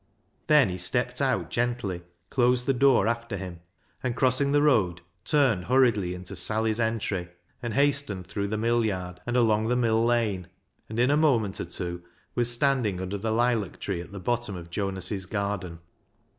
Then he stepped out gently, closed the door after him, and, crossing the road, turned hurriedly into " Sally's Entry," and hastened through the mill yard and along the mill lane, and in a moment or two was standing under the lilac tree at the bottom of Jonas's garden.